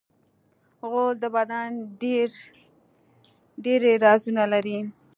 غول د بدن ډېری رازونه لري.